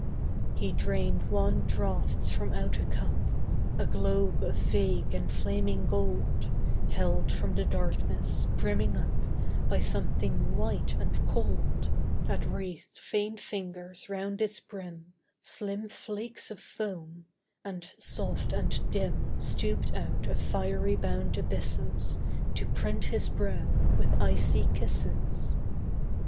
He drained wan draughts from out a cup, A globe of vague and flaming gold, Held from the darkness, brimming up, By something white and cold, That wreathed faint fingers round its brim, Slim flakes of foam; and, soft and dim, Stooped out of fiery bound abysses To print his brow with icy kisses.